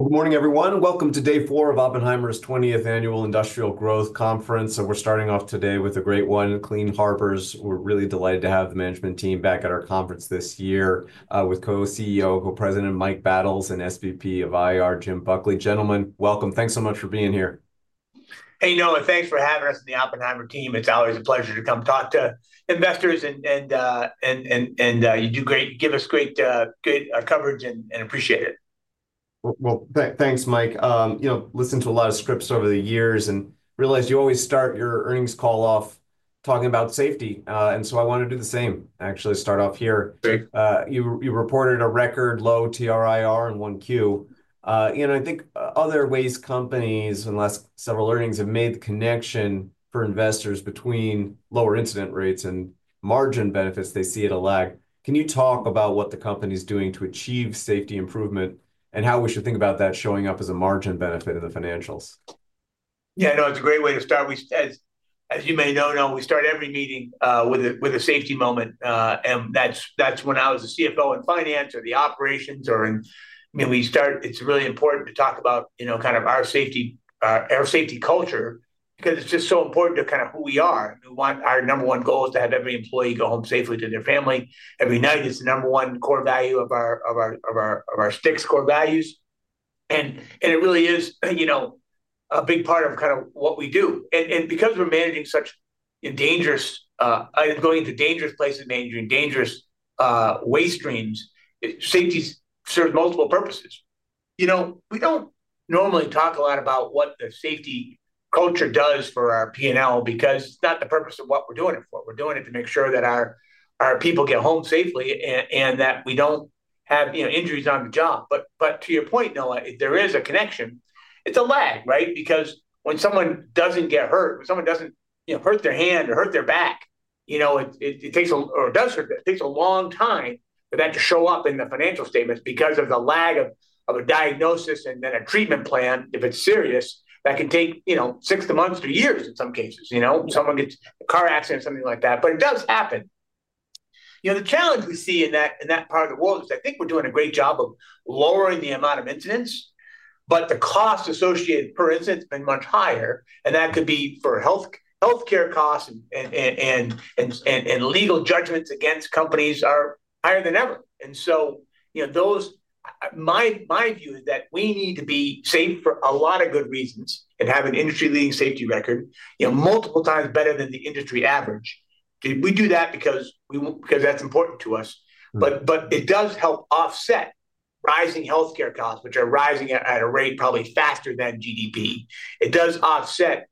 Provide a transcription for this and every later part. Good morning, everyone. Welcome to day four of Oppenheimer's 20th Annual Industrial Growth Conference. We're starting off today with a great one, Clean Harbors. We're really delighted to have the management team back at our conference this year with Co-CEO, Co-President Mike Battles, and SVP of IR, Jim Buckley. Gentlemen, welcome. Thanks so much for being here. Hey, Noah, thanks for having us on the Oppenheimer team. It's always a pleasure to come talk to investors, and you do great. You give us great coverage, and appreciate it. Thanks, Mike. You know, I listened to a lot of scripts over the years and realized you always start your earnings call off talking about safety. So I want to do the same, actually start off here. You reported a record low TRIR in 1Q. And I think other waste companies, in the last several earnings, have made the connection for investors between lower incident rates and margin benefits they see at a lag. Can you talk about what the company's doing to achieve safety improvement and how we should think about that showing up as a margin benefit in the financials? Yeah, no, it's a great way to start. As you may know, Noah, we start every meeting with a safety moment. That's when I was the CFO in finance or the operations. We start, it's really important to talk about kind of our safety culture because it's just so important to kind of who we are. We want our number one goal is to have every employee go home safely to their family. Every night is the number one core value of our six core values. It really is a big part of kind of what we do. Because we're managing such dangerous, going into dangerous places, managing dangerous waste streams, safety serves multiple purposes. You know, we don't normally talk a lot about what the safety culture does for our P&L because it's not the purpose of what we're doing it for. We're doing it to make sure that our people get home safely and that we don't have injuries on the job. But to your point, Noah, there is a connection. It's a lag, right? Because when someone doesn't get hurt, when someone doesn't hurt their hand or hurt their back, you know, it takes a long time for that to show up in the financial statements because of the lag of a diagnosis and then a treatment plan, if it's serious, that can take six months to years in some cases. You know, someone gets a car accident, something like that. But it does happen. You know, the challenge we see in that part of the world is I think we're doing a great job of lowering the amount of incidents, but the cost associated, for instance, has been much higher. And that could be for healthcare costs and legal judgments against companies, which are higher than ever. And so my view is that we need to be safe for a lot of good reasons and have an industry-leading safety record, you know, multiple times better than the industry average. We do that because that's important to us. But it does help offset rising healthcare costs, which are rising at a rate probably faster than GDP. It does offset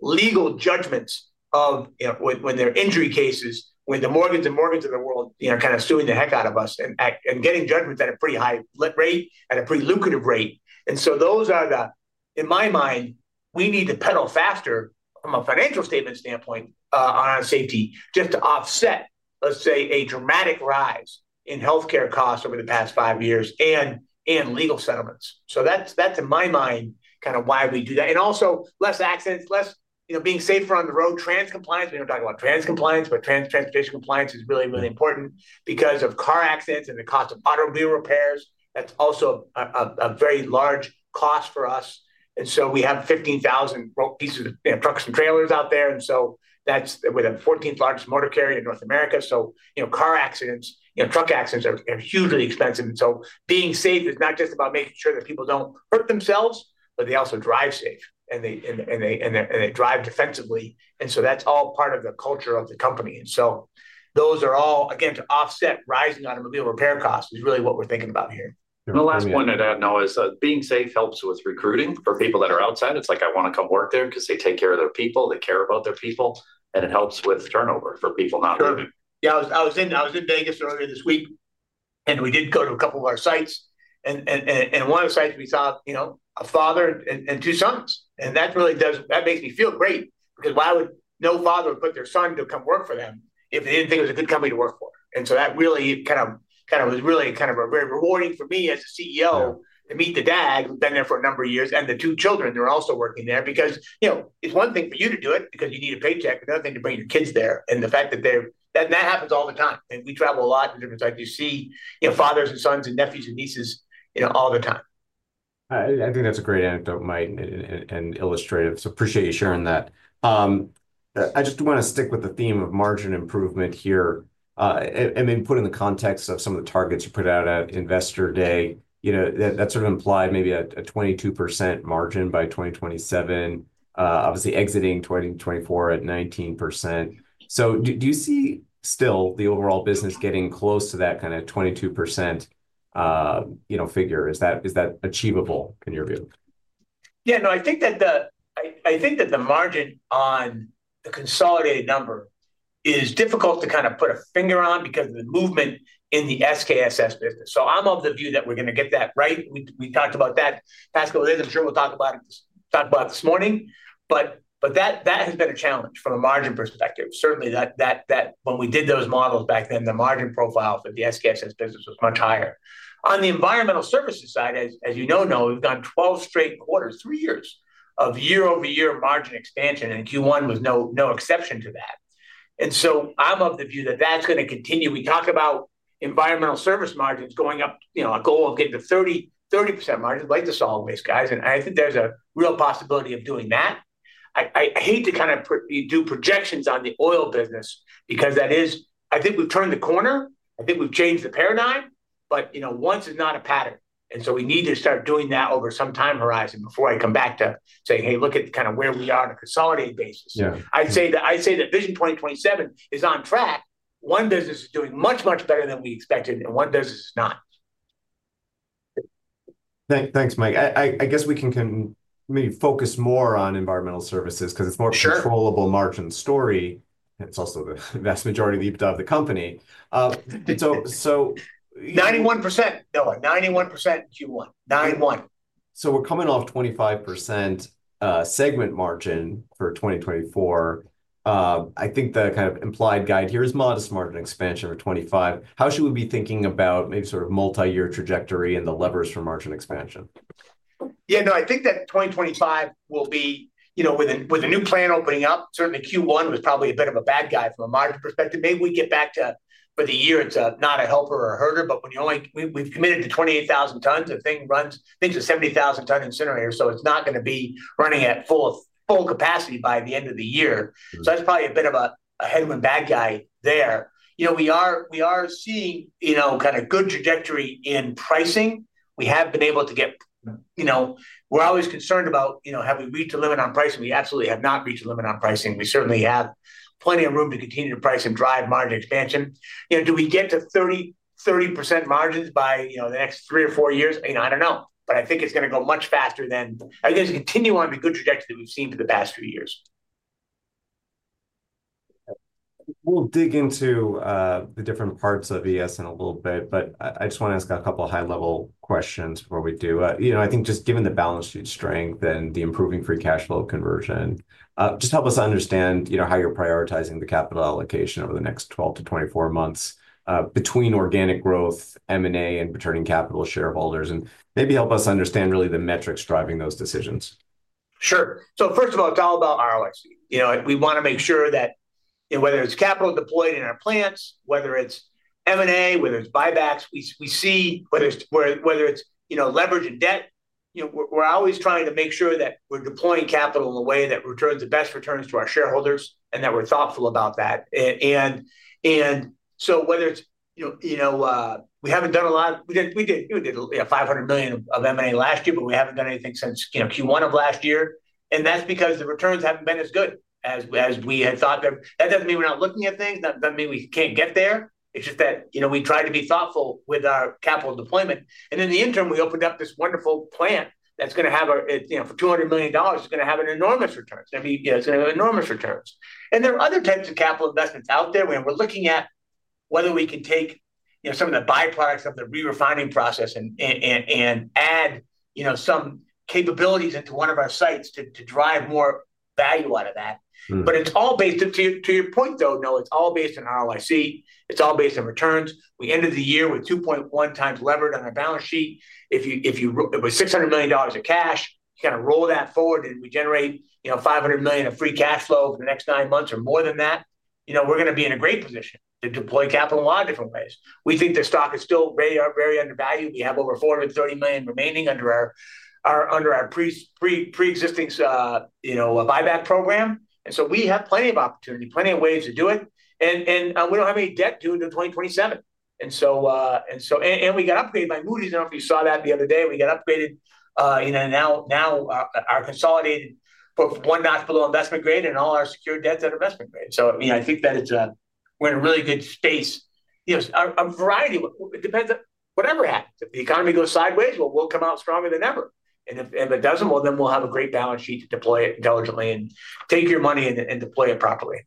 legal judgments when there are injury cases, when the Morgan & Morgan of the world are kind of suing the heck out of us and getting judgments at a pretty high rate, at a pretty lucrative rate. Those are the, in my mind, we need to pedal faster from a financial statement standpoint on our safety just to offset, let's say, a dramatic rise in healthcare costs over the past five years and legal settlements. That's, in my mind, kind of why we do that. Also less accidents, less being safer on the road, trans compliance. We don't talk about trans compliance, but transportation compliance is really, really important because of car accidents and the cost of automobile repairs. That's also a very large cost for us. We have 15,000 pieces of trucks and trailers out there. That's with the 14th largest motor carrier in North America. Car accidents, truck accidents are hugely expensive. Being safe is not just about making sure that people don't hurt themselves, but they also drive safe and they drive defensively. That's all part of the culture of the company. Those are all, again, to offset rising automobile repair costs is really what we're thinking about here. The last point I'd add, Noah, is being safe helps with recruiting for people that are outside. It's like, I want to come work there because they take care of their people, they care about their people, and it helps with turnover for people not leaving. Yeah, I was in Vegas earlier this week, and we did go to a couple of our sites. One of the sites we saw, you know, a father and two sons. That makes me feel great because why would a father put their son to come work for them if they didn't think it was a good company to work for? So that really kind of was very rewarding for me as a CEO to meet the dad who's been there for a number of years and the two children who are also working there because, you know, it's one thing for you to do it because you need a paycheck, but another thing to bring your kids there. The fact that it happens all the time. We travel a lot to different sites. You see fathers and sons and nephews and nieces all the time. I think that's a great anecdote, Mike, and illustrative. So appreciate you sharing that. I just want to stick with the theme of margin improvement here and then put in the context of some of the targets you put out at Investor Day. You know, that sort of implied maybe a 22% margin by 2027, obviously exiting 2024 at 19%. So do you see still the overall business getting close to that kind of 22% figure? Is that achievable in your view? Yeah, no, I think that the margin on the consolidated number is difficult to kind of put a finger on because of the movement in the SKSS business. So I'm of the view that we're going to get that right. We talked about that past couple of days. I'm sure we'll talk about it this morning. But that has been a challenge from a margin perspective. Certainly, when we did those models back then, the margin profile for the SKSS business was much higher. On the Environmental Services side, as you know, Noah, we've gone 12 straight quarters, three years of year-over-year margin expansion, and Q1 was no exception to that. And so I'm of the view that that's going to continue. We talk about environmental service margins going up, a goal of getting to 30% margins. Like the solid waste, guys. And I think there's a real possibility of doing that. I hate to kind of do projections on the oil business because that is, I think we've turned the corner. I think we've changed the paradigm, but once is not a pattern. And so we need to start doing that over some time horizon before I come back to say, hey, look at kind of where we are on a consolidated basis. I'd say that Vision 2027 is on track. One business is doing much, much better than we expected, and one business is not. Thanks, Mike. I guess we can maybe focus more on environmental services because it's more controllable margin story. It's also the vast majority of the company. 91%, Noah, 91% Q1, 91. So we're coming off 25% segment margin for 2024. I think the kind of implied guide here is modest margin expansion for 2025. How should we be thinking about maybe sort of multi-year trajectory and the levers for margin expansion? Yeah, no, I think that 2025 will be with a new plant opening up. Certainly, Q1 was probably a bit of a drag from a margin perspective. Maybe we get back to form for the year; it's not a helper or a hurter, but we've committed to 28,000 tons. The thing runs at a 70,000-ton incinerator, so it's not going to be running at full capacity by the end of the year. So that's probably a bit of a headwind drag there. You know, we are seeing kind of good trajectory in pricing. We have been able to get, you know, we're always concerned about, have we reached a limit on pricing? We absolutely have not reached a limit on pricing. We certainly have plenty of room to continue to price and drive margin expansion. You know, do we get to 30% margins by the next three or four years? I don't know, but I think it's going to go much faster than I think it's going to continue on the good trajectory that we've seen for the past few years. We'll dig into the different parts of ES in a little bit, but I just want to ask a couple of high-level questions before we do. You know, I think just given the balance sheet strength and the improving free cash flow conversion, just help us understand how you're prioritizing the capital allocation over the next 12-24 months between organic growth, M&A, and returning capital shareholders, and maybe help us understand really the metrics driving those decisions. Sure, so first of all, it's all about ROIC. You know, we want to make sure that whether it's capital deployed in our plants, whether it's M&A, whether it's buybacks, we see whether it's leverage and debt. You know, we're always trying to make sure that we're deploying capital in a way that returns the best returns to our shareholders and that we're thoughtful about that, and so whether it's, you know, we haven't done a lot. We did $500 million of M&A last year, but we haven't done anything since Q1 of last year, and that's because the returns haven't been as good as we had thought. That doesn't mean we're not looking at things. That doesn't mean we can't get there. It's just that we tried to be thoughtful with our capital deployment. In the interim, we opened up this wonderful plant that's going to have for $200 million. It's going to have enormous returns. It's going to have enormous returns. There are other types of capital investments out there. We're looking at whether we can take some of the byproducts of the re-refining process and add some capabilities into one of our sites to drive more value out of that. It's all based, to your point though, Noah, on ROIC. It's all based on returns. We ended the year with 2.1 times levered on our balance sheet. If it was $600 million of cash, kind of roll that forward and we generate $500 million of free cash flow over the next nine months or more than that, you know, we're going to be in a great position to deploy capital in a lot of different ways. We think the stock is still very undervalued. We have over $430 million remaining under our pre-existing buyback program. And so we have plenty of opportunity, plenty of ways to do it. And we don't have any debt due until 2027. And we got upgraded by Moody's. I don't know if you saw that the other day. We got upgraded now, our consolidated book one notch below investment grade and all our secured debts at investment grade. So I think that we're in a really good space. A variety, it depends on whatever happens. If the economy goes sideways, well, we'll come out stronger than ever. And if it doesn't, well, then we'll have a great balance sheet to deploy it intelligently and take your money and deploy it properly.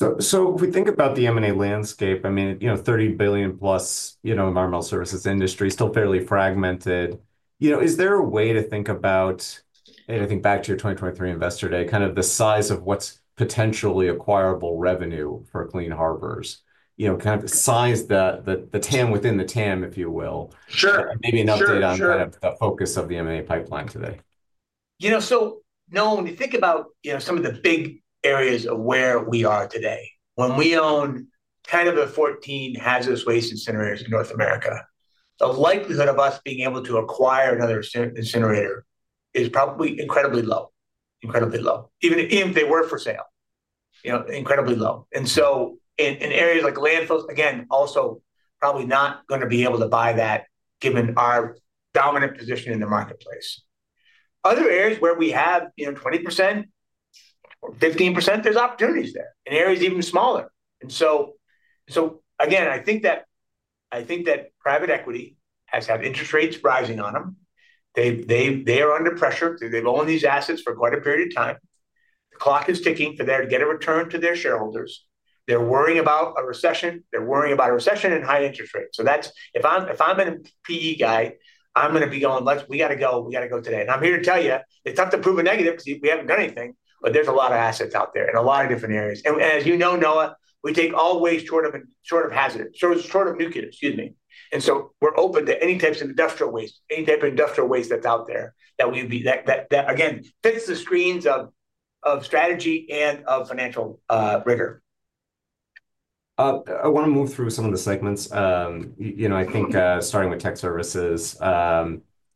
If we think about the M&A landscape, I mean, you know, $30 billion plus environmental services industry, still fairly fragmented. You know, is there a way to think about, I think back to your 2023 Investor Day, kind of the size of what's potentially acquirable revenue for Clean Harbors, you know, kind of the size, the TAM within the TAM, if you will, maybe an update on kind of the focus of the M&A pipeline today? You know, so Noah, when you think about some of the big areas of where we are today, when we own 10 of the 14 hazardous waste incinerators in North America, the likelihood of us being able to acquire another incinerator is probably incredibly low, incredibly low, even if they were for sale, you know, incredibly low, and so in areas like landfills, again, also probably not going to be able to buy that given our dominant position in the marketplace. Other areas where we have 20% or 15%, there's opportunities there in areas even smaller, and so again, I think that private equity has had interest rates rising on them. They are under pressure. They've owned these assets for quite a period of time. The clock is ticking for them to get a return to their shareholders. They're worrying about a recession. They're worrying about a recession and high interest rates. So if I'm a PE guy, I'm going to be going, we got to go, we got to go today. And I'm here to tell you, it's tough to prove a negative because we haven't done anything, but there's a lot of assets out there in a lot of different areas. And as you know, Noah, we take all waste short of hazardous, short of nuclear, excuse me. And so we're open to any types of industrial waste, any type of industrial waste that's out there that again fits the screens of strategy and of financial rigor. I want to move through some of the segments. You know, I think starting with Tech Services,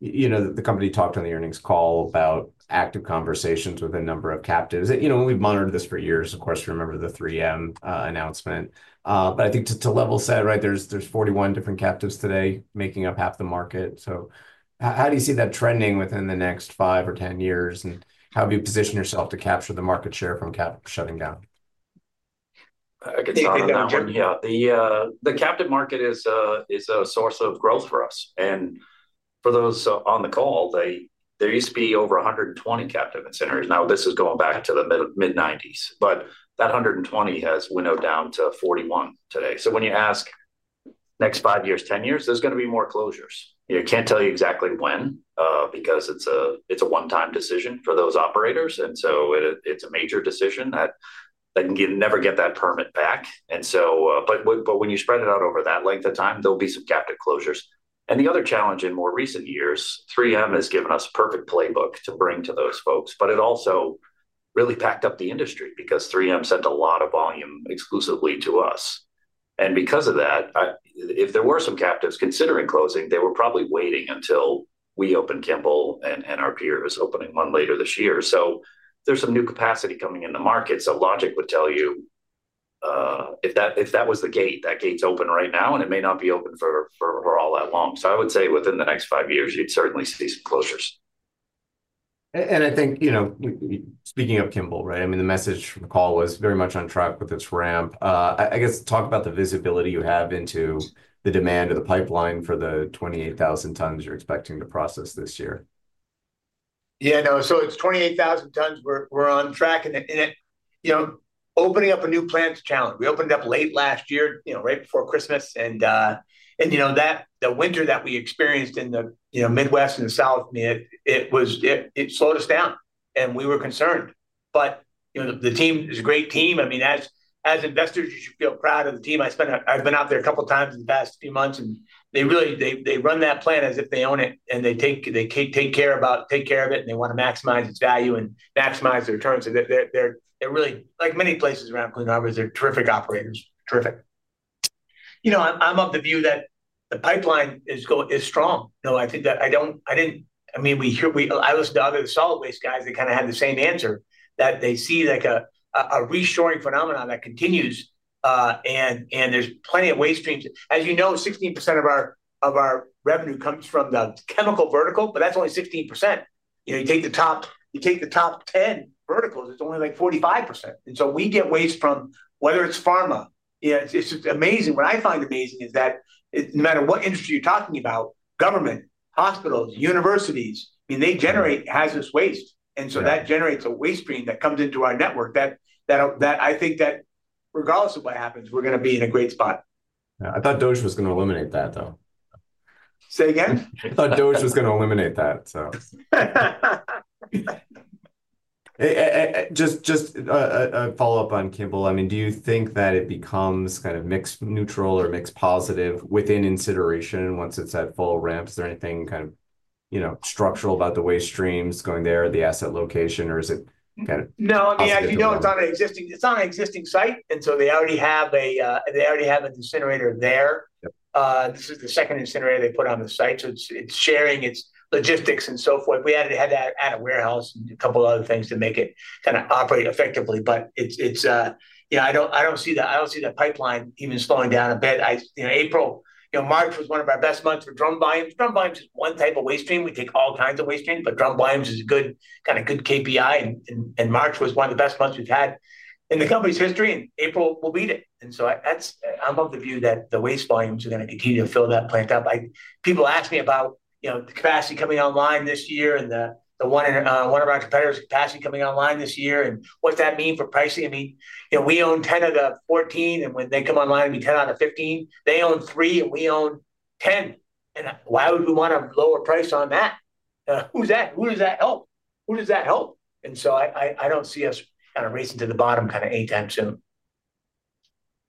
you know, the company talked on the earnings call about active conversations with a number of captives. You know, we've monitored this for years. Of course, you remember the 3M announcement. But I think to level set, right, there's 41 different captives today making up half the market. So how do you see that trending within the next five or 10 years? And how do you position yourself to capture the market share from captives shutting down? I can tell you that one, yeah. The captive market is a source of growth for us. And for those on the call, there used to be over 120 captive incinerators. Now this is going back to the mid-1990s, but that 120 has winnowed down to 41 today. So when you ask next five years, 10 years, there's going to be more closures. I can't tell you exactly when because it's a one-time decision for those operators. And so it's a major decision that they can never get that permit back. And so, but when you spread it out over that length of time, there'll be some captive closures. And the other challenge in more recent years, 3M has given us a perfect playbook to bring to those folks, but it also really packed up the industry because 3M sent a lot of volume exclusively to us. And because of that, if there were some captives considering closing, they were probably waiting until we opened Kimball and our peers opening one later this year. So there's some new capacity coming in the market. So logic would tell you if that was the gate, that gate's open right now, and it may not be open for all that long. So I would say within the next five years, you'd certainly see some closures. I think, you know, speaking of Kimball, right, I mean, the message from the call was very much on track with its ramp. I guess talk about the visibility you have into the demand of the pipeline for the 28,000 tons you're expecting to process this year. Yeah, no, so it's 28,000 tons. We're on track. And opening up a new plant is a challenge. We opened it up late last year, you know, right before Christmas. And you know, the winter that we experienced in the Midwest and the South, it slowed us down. And we were concerned. But the team is a great team. I mean, as investors, you should feel proud of the team. I've been out there a couple of times in the past few months, and they run that plant as if they own it, and they take care of it, and they want to maximize its value and maximize the returns. They're really, like many places around Clean Harbors, they're terrific operators, terrific. You know, I'm of the view that the pipeline is strong. No, I think that I didn't, I mean, I listened to other solid waste guys that kind of had the same answer that they see like a reshoring phenomenon that continues, and there's plenty of waste streams. As you know, 16% of our revenue comes from the chemical vertical, but that's only 16%. You take the top 10 verticals, it's only like 45%, and so we get waste from whether it's pharma. It's just amazing. What I find amazing is that no matter what industry you're talking about, government, hospitals, universities, I mean, they generate hazardous waste, and so that generates a waste stream that comes into our network that I think that regardless of what happens, we're going to be in a great spot. I thought DOGE was going to eliminate that, though. Say again? I thought DOGE was going to eliminate that, so. Just a follow-up on Kimball. I mean, do you think that it becomes kind of mixed neutral or mixed positive within incineration once it's at full ramp? Is there anything kind of structural about the waste streams going there, the asset location, or is it kind of? No, I mean, as you know, it's on an existing site, and so they already have an incinerator there. This is the second incinerator they put on the site, so it's sharing its logistics and so forth. We had to add a warehouse and a couple of other things to make it kind of operate effectively. However, I don't see the pipeline even slowing down a bit. March was one of our best months for drum volumes, and April will beat it. Drum volumes is one type of waste stream. We take all kinds of waste streams, but drum volumes is a good kind of good KPI. March was one of the best months we've had in the company's history. Therefore, I'm of the view that the waste volumes are going to continue to fill that plant up. People ask me about the capacity coming online this year and one of our competitors' capacity coming online this year. And what's that mean for pricing? I mean, we own 10 of the 14, and when they come online, it'll be 10 out of 15. They own 3, and we own 10. And why would we want a lower price on that? Who's that? Who does that help? Who does that help? And so I don't see us kind of racing to the bottom kind of anytime soon.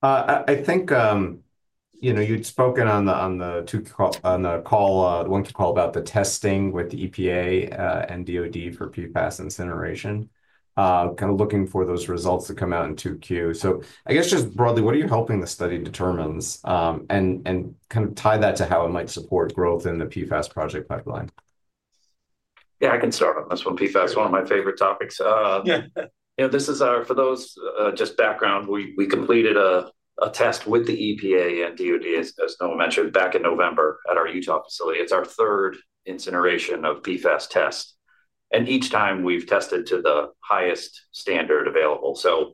I think you'd spoken on the call, the one call about the testing with the EPA and DOD for PFAS incineration, kind of looking for those results to come out in 2Q. So I guess just broadly, what are you hoping the study determines and kind of tie that to how it might support growth in the PFAS project pipeline? Yeah, I can start on this one. PFAS is one of my favorite topics. You know, this is for those just background, we completed a test with the EPA and DOD, as Noah mentioned, back in November at our Utah facility. It's our third incineration of PFAS tests. And each time we've tested to the highest standard available, so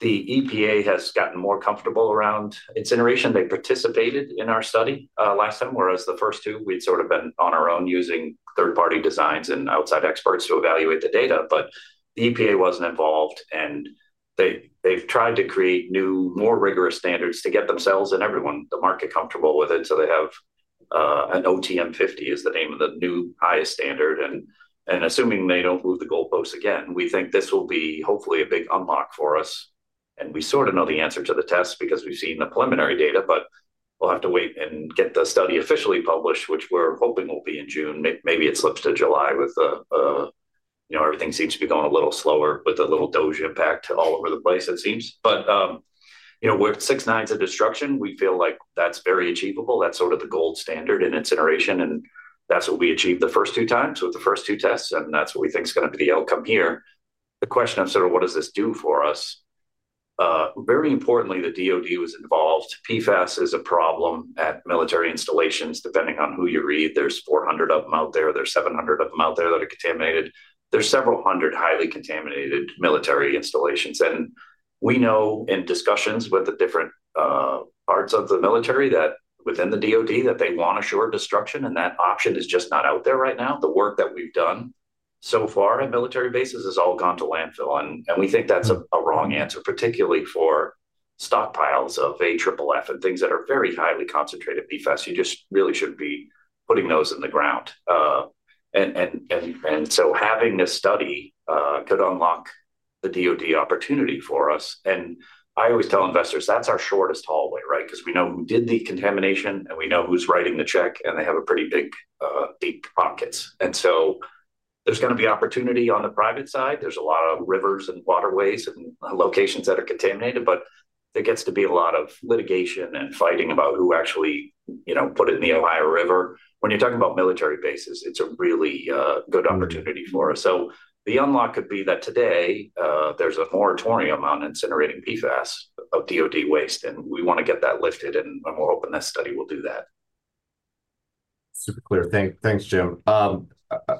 the EPA has gotten more comfortable around incineration. They participated in our study last time, whereas the first two, we'd sort of been on our own using third-party designs and outside experts to evaluate the data. But the EPA wasn't involved, and they've tried to create new, more rigorous standards to get themselves and everyone, the market, comfortable with it, so they have an OTM 50 is the name of the new highest standard. Assuming they don't move the goalposts again, we think this will be hopefully a big unlock for us. We sort of know the answer to the test because we've seen the preliminary data, but we'll have to wait and get the study officially published, which we're hoping will be in June. Maybe it slips to July with everything seems to be going a little slower with a little DOGE impact all over the place, it seems. With six nines of destruction, we feel like that's very achievable. That's sort of the gold standard in incineration. That's what we achieved the first two times with the first two tests. That's what we think is going to be the outcome here. The question of sort of what does this do for us? Very importantly, the DOD was involved. PFAS is a problem at military installations. Depending on who you read, there's 400 of them out there. There's 700 of them out there that are contaminated. There's several hundred highly contaminated military installations, and we know in discussions with the different parts of the military within the DOD that they want assured destruction, and that option is just not out there right now. The work that we've done so far at military bases has all gone to landfill, and we think that's a wrong answer, particularly for stockpiles of AFFF and things that are very highly concentrated PFAS. You just really shouldn't be putting those in the ground, and so having this study could unlock the DOD opportunity for us. I always tell investors, that's our shortest hallway, right? Because we know who did the contamination, and we know who's writing the check, and they have a pretty big deep pockets. And so there's going to be opportunity on the private side. There's a lot of rivers and waterways and locations that are contaminated, but there gets to be a lot of litigation and fighting about who actually put it in the Ohio River. When you're talking about military bases, it's a really good opportunity for us. So the unlock could be that today there's a moratorium on incinerating PFAS of DOD waste, and we want to get that lifted, and we'll hope in this study we'll do that. Super clear. Thanks, Jim. I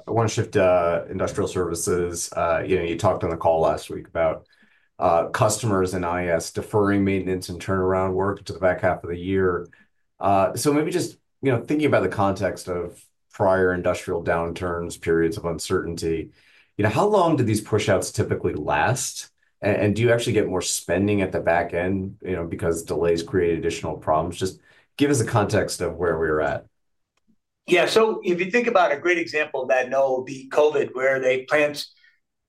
want to shift to Industrial services. You talked on the call last week about customers and IS deferring maintenance and turnaround work to the back half of the year. So maybe just thinking about the context of prior industrial downturns, periods of uncertainty, how long do these push-outs typically last? And do you actually get more spending at the back end because delays create additional problems? Just give us a context of where we're at. Yeah, so if you think about a great example that Noah will be, COVID, where the plants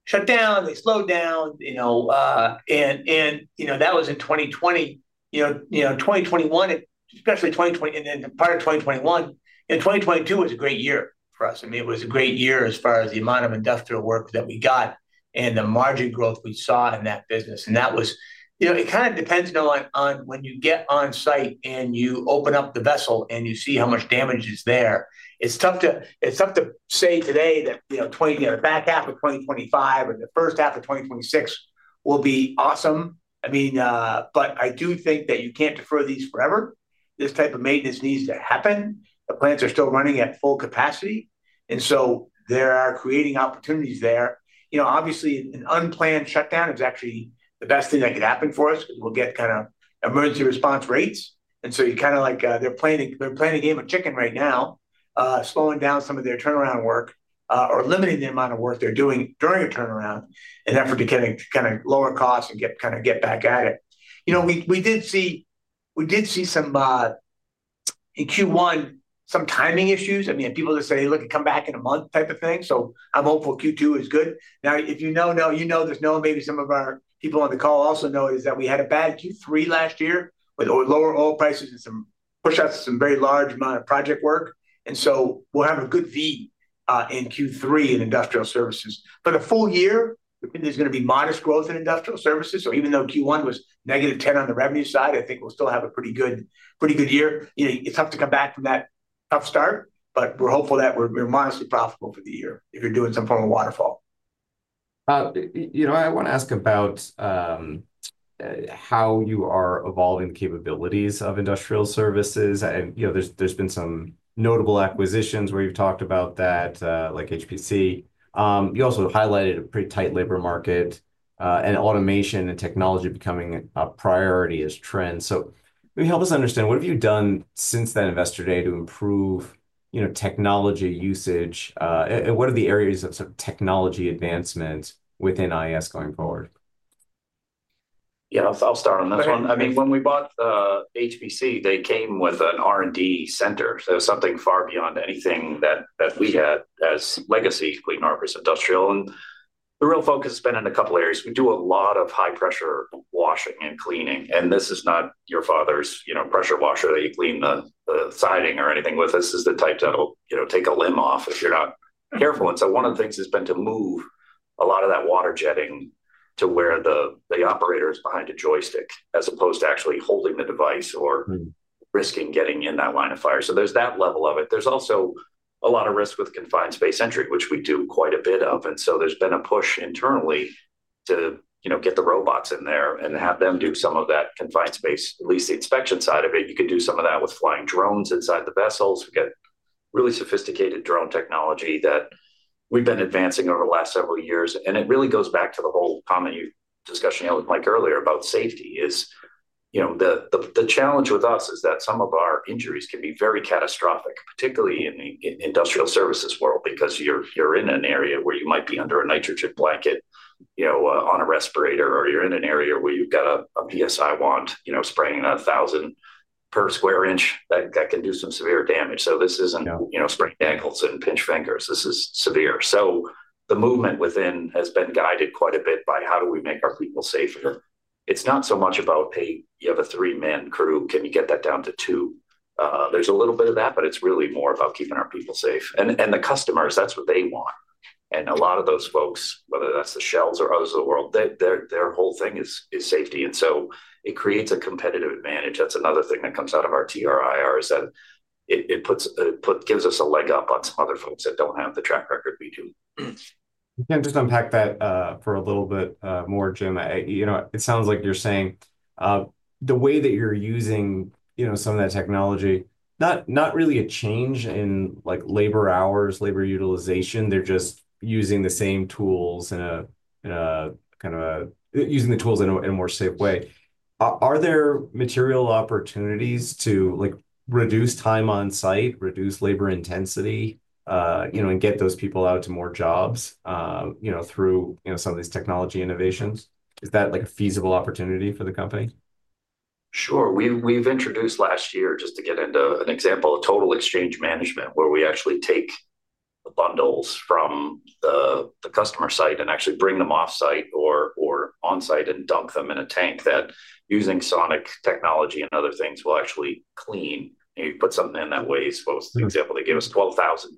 shut down, they slowed down. And that was in 2020. You know, 2021, especially 2020, and then part of 2021, 2022 was a great year for us. I mean, it was a great year as far as the amount of industrial work that we got and the margin growth we saw in that business. And that was, it kind of depends, Noah, on when you get on site and you open up the vessel and you see how much damage is there. It's tough to say today that the back half of 2025 or the first half of 2026 will be awesome. I mean, but I do think that you can't defer these forever. This type of maintenance needs to happen. The plants are still running at full capacity. And so they're creating opportunities there. You know, obviously, an unplanned shutdown is actually the best thing that could happen for us because we'll get kind of emergency response rates. And so you kind of like they're playing a game of chicken right now, slowing down some of their turnaround work or limiting the amount of work they're doing during a turnaround in an effort to kind of lower costs and kind of get back at it. You know, we did see some in Q1, some timing issues. I mean, people just say, "Look, come back in a month type of thing," so I'm hopeful Q2 is good. Now, if you know Noah, you know, maybe some of our people on the call also know that we had a bad Q3 last year with lower oil prices and some push-outs of some very large amount of project work. And so we'll have a good V in Q3 in industrial services. For the full year, there's going to be modest growth in industrial services. So even though Q1 was negative 10% on the revenue side, I think we'll still have a pretty good year. It's tough to come back from that tough start, but we're hopeful that we're modestly profitable for the year if you're doing some form of waterfall. You know, I want to ask about how you are evolving the capabilities of industrial services. There's been some notable acquisitions where you've talked about that, like HPC. You also highlighted a pretty tight labor market and automation and technology becoming a priority as trends. So maybe help us understand, what have you done since that investor day to improve technology usage? What are the areas of technology advancement within IS going forward? Yeah, I'll start on that one. I mean, when we bought HPC, they came with an R&D center. So it was something far beyond anything that we had as legacy Clean Harbors Industrial. And the real focus has been in a couple of areas. We do a lot of high-pressure washing and cleaning. And this is not your father's pressure washer that you clean the siding or anything with. This is the type to take a limb off if you're not careful. And so one of the things has been to move a lot of that water jetting to where the operator is behind a joystick as opposed to actually holding the device or risking getting in that line of fire. So there's that level of it. There's also a lot of risk with confined space entry, which we do quite a bit of. There's been a push internally to get the robots in there and have them do some of that confined space, at least the inspection side of it. You could do some of that with flying drones inside the vessels. We get really sophisticated drone technology that we've been advancing over the last several years. It really goes back to the whole common discussion I was like earlier about safety. The challenge with us is that some of our injuries can be very catastrophic, particularly in the industrial services world, because you're in an area where you might be under a nitrogen blanket on a respirator, or you're in an area where you've got a PSI wand spraying 1,000 per square inch that can do some severe damage. This isn't spraying ankles and pinch fingers. This is severe. So the movement within has been guided quite a bit by how do we make our people safer. It's not so much about, "Hey, you have a three-man crew. Can you get that down to two?" There's a little bit of that, but it's really more about keeping our people safe. And the customers, that's what they want. And a lot of those folks, whether that's the Shell's or others of the world, their whole thing is safety. And so it creates a competitive advantage. That's another thing that comes out of our TRIR is that it gives us a leg up on some other folks that don't have the track record we do. Can I just unpack that for a little bit more, Jim? It sounds like you're saying the way that you're using some of that technology, not really a change in labor hours, labor utilization. They're just using the same tools and kind of using the tools in a more safe way. Are there material opportunities to reduce time on site, reduce labor intensity, and get those people out to more jobs through some of these technology innovations? Is that a feasible opportunity for the company? Sure. We've introduced last year, just to get into an example, Total Exchange Management, where we actually take the bundles from the customer site and actually bring them off-site or on-site and dump them in a tank that, using sonic technology and other things, will actually clean. You put something in that waste. For example, they gave us 12,000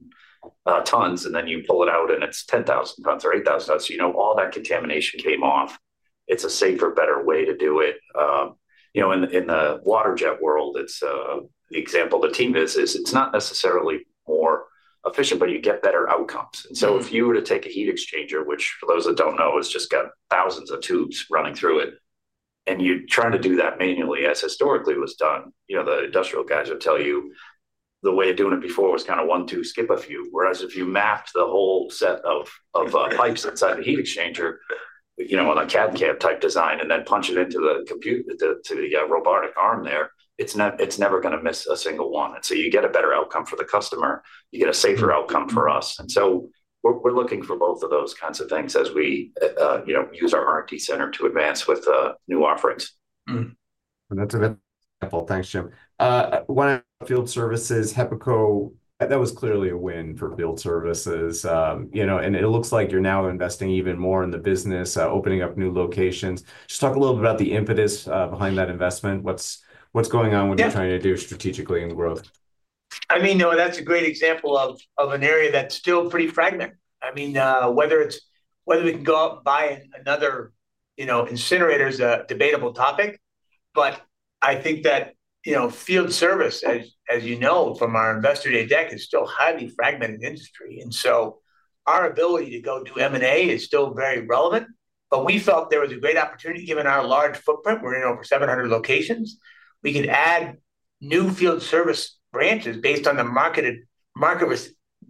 tons, and then you pull it out and it's 10,000 tons or 8,000 tons. So all that contamination came off. It's a safer, better way to do it. In the water jet world, the example the team is, it's not necessarily more efficient, but you get better outcomes. And so, if you were to take a heat exchanger, which for those that don't know has just got thousands of tubes running through it, and you try to do that manually, as historically was done, the industrial guys would tell you the way of doing it before was kind of one, two, skip a few. Whereas if you mapped the whole set of pipes inside the heat exchanger on a CAD/CAM type design and then punch it into the robotic arm there, it's never going to miss a single one. And so you get a better outcome for the customer. You get a safer outcome for us. And so we're looking for both of those kinds of things as we use our R&D center to advance with new offerings. That's an example. Thanks, Jim. One of Field Services, HEPACO, that was clearly a win for Field Services. And it looks like you're now investing even more in the business, opening up new locations. Just talk a little bit about the impetus behind that investment. What's going on with you trying to do strategically in growth? I mean, Noah, that's a great example of an area that's still pretty fragmented. I mean, whether we can go out and buy another incinerator is a debatable topic. But I think that field service, as you know from our investor day deck, is still a highly fragmented industry. And so our ability to go do M&A is still very relevant. But we felt there was a great opportunity given our large footprint. We're in over 700 locations. We could add new field service branches based on the market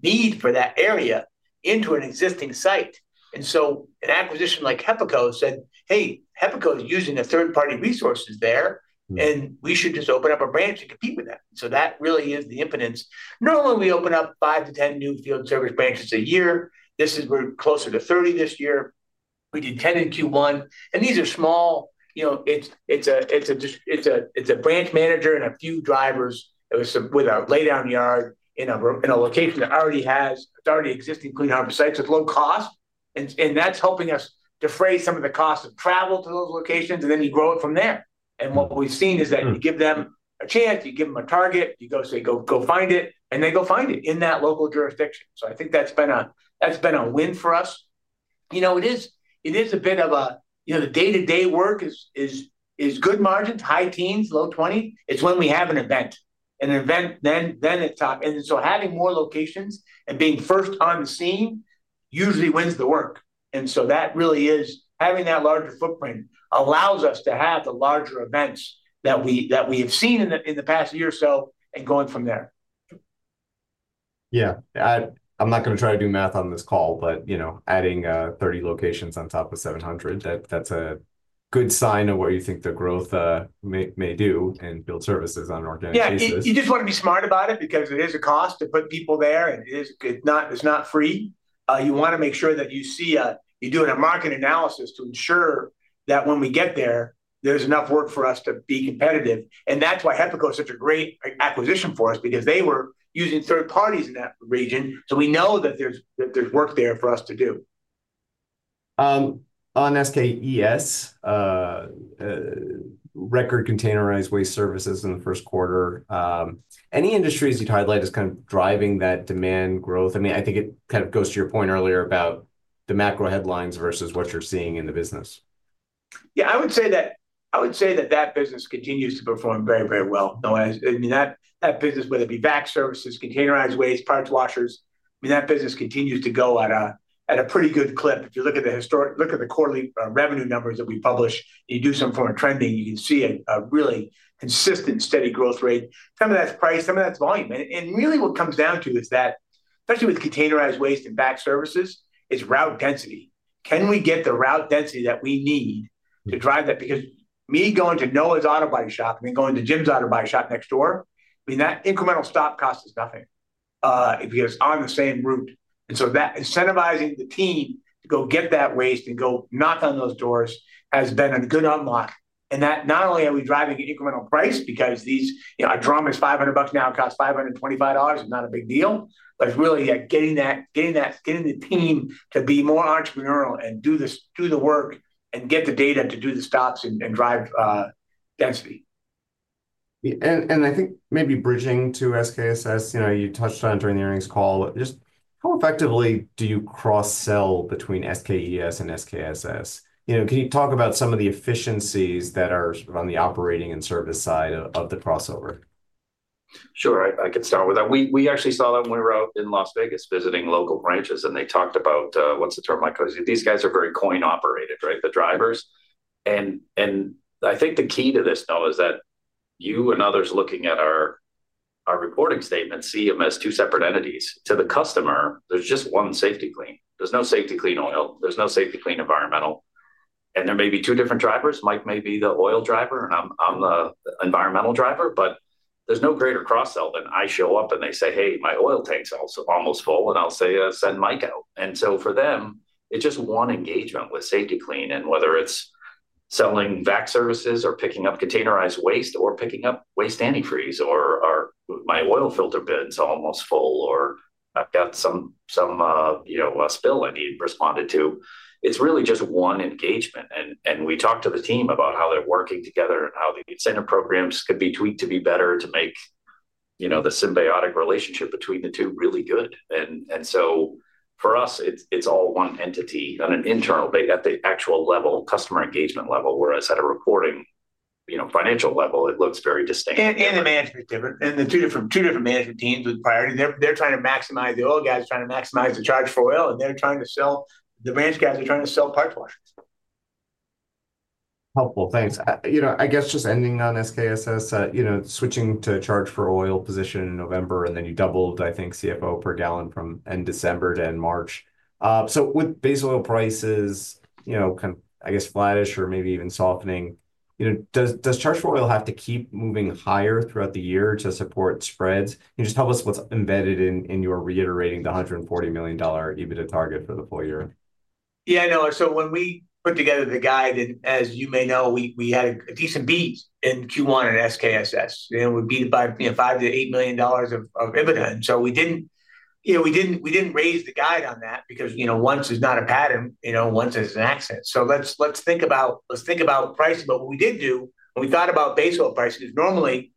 need for that area into an existing site. And so an acquisition like HEPACO said, "Hey, HEPACO is using a third-party resource there, and we should just open up a branch and compete with that." So that really is the impetus. Normally, we open up five to 10 new field service branches a year. This is. We're closer to 30 this year. We did 10 in Q1. And these are small. It's a branch manager and a few drivers with a lay-down yard in a location that already has existing Clean Harbors sites with low cost. And that's helping us defray some of the cost of travel to those locations, and then you grow it from there. And what we've seen is that you give them a chance, you give them a target, you go say, "Go find it," and they go find it in that local jurisdiction. So I think that's been a win for us. You know, it is a bit of a, you know, the day-to-day work is good margins, high teens, low 20. It's when we have an event. And an event, then it's top. And so having more locations and being first on the scene usually wins the work. And so that really is having that larger footprint allows us to have the larger events that we have seen in the past year or so and going from there. Yeah. I'm not going to try to do math on this call, but adding 30 locations on top of 700, that's a good sign of what you think the growth may do in field services and operations. Yeah. You just want to be smart about it because it is a cost to put people there, and it's not free. You want to make sure that you do a market analysis to ensure that when we get there, there's enough work for us to be competitive. And that's why HEPACO is such a great acquisition for us because they were using third parties in that region. So we know that there's work there for us to do. On SKES, record containerized waste services in the first quarter. Any industries you'd highlight as kind of driving that demand growth? I mean, I think it kind of goes to your point earlier about the macro headlines versus what you're seeing in the business. Yeah, I would say that that business continues to perform very, very well. I mean, that business, whether it be vac services, containerized waste, parts washers, I mean, that business continues to go at a pretty good clip. If you look at the quarterly revenue numbers that we publish, you do some form of trending, you can see a really consistent steady growth rate. Some of that's price, some of that's volume. And really what comes down to is that, especially with containerized waste and vac services, is route density. Can we get the route density that we need to drive that? Because me going to Noah's auto body shop and then going to Jim's auto body shop next door, I mean, that incremental stop cost is nothing because it's on the same route. And so that incentivizing the team to go get that waste and go knock on those doors has been a good unlock. And that not only are we driving incremental price because these drums $500 now cost $525 is not a big deal, but it's really getting the team to be more entrepreneurial and do the work and get the data to do the stops and drive density. I think maybe bridging to SKSS, you touched on it during the earnings call. Just how effectively do you cross-sell between SKES and SKSS? Can you talk about some of the efficiencies that are on the operating and service side of the crossover? Sure. I could start with that. We actually saw that when we were out in Las Vegas visiting local branches, and they talked about, what's the term I could use? These guys are very coin-operated, right? The drivers. And I think the key to this, though, is that you and others looking at our reporting statement see them as two separate entities. To the customer, there's just one Safety-Kleen. There's no Safety-Kleen oil. There's no Safety-Kleen environmental. And there may be two different drivers. Mike may be the oil driver, and I'm the environmental driver, but there's no greater cross-sell than I show up and they say, "Hey, my oil tank's almost full," and I'll say, "Send Mike out." And so for them, it's just one engagement with Safety-Kleen and whether it's selling vac services or picking up containerized waste or picking up waste antifreeze or my oil filter bin's almost full or I've got some spill I need responded to. It's really just one engagement. And we talked to the team about how they're working together and how the incentive programs could be tweaked to be better to make the symbiotic relationship between the two really good. And so for us, it's all one entity on an internal at the actual level, customer engagement level, whereas at a reporting financial level, it looks very distinct. And the management's different. The two different management teams with priorities. They're trying to maximize the oil guys trying to maximize the Charge-for-Oil, and they're trying to sell the branch guys are trying to sell parts washers. Helpful. Thanks. I guess just ending on SKSS, switching to Charge-for-Oil position in November, and then you doubled, I think, CFO per gallon from end December to end March. So with base oil prices kind of, I guess, flattish or maybe even softening, does Charge-for-Oil have to keep moving higher throughout the year to support spreads? Can you just tell us what's embedded in your reiterating the $140 million EBITDA target for the full year? Yeah, no. So when we put together the guide, as you may know, we had a decent beat in Q1 in SKSS. We beat it by $5-$8 million of EBITDA. And so we didn't raise the guide on that because once is not a pattern, once is an accident. So let's think about pricing. But what we did do, when we thought about base oil prices, normally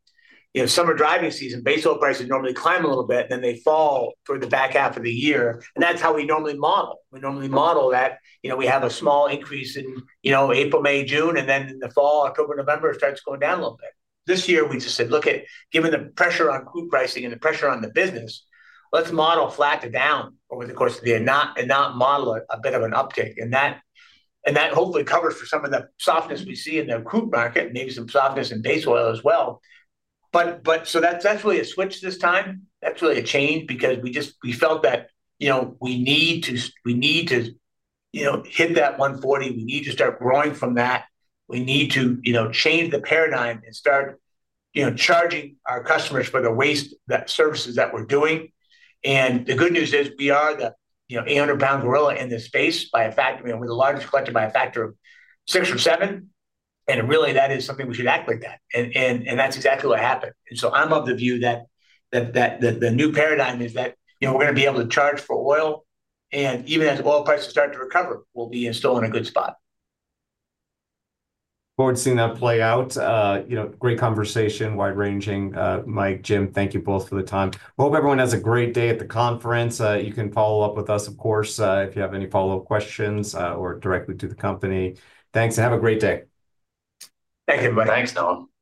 summer driving season, base oil prices normally climb a little bit, and then they fall for the back half of the year. And that's how we normally model. We normally model that we have a small increase in April, May, June, and then in the fall, October, November, it starts going down a little bit. This year, we just said, "Look, given the pressure on crude pricing and the pressure on the business, let's model flat to down over the course of the year and not model a bit of an uptick," and that hopefully covers for some of the softness we see in the crude market, maybe some softness in base oil as well, but so that's really a switch this time. That's really a change because we felt that we need to hit that 140. We need to start growing from that. We need to change the paradigm and start charging our customers for the waste, the services that we're doing, and the good news is we are the 800-pound gorilla in this space by a factor, we're the largest collector by a factor of six or seven, and really, that is something we should act like that. That's exactly what happened. So I'm of the view that the new paradigm is that we're going to be able to charge for oil. Even as oil prices start to recover, we'll be still in a good spot. forward to seeing that play out. Great conversation, wide-ranging. Mike, Jim, thank you both for the time. We hope everyone has a great day at the conference. You can follow up with us, of course, if you have any follow-up questions or directly to the company. Thanks. Have a great day. Thank you, everybody. Thanks, Noah.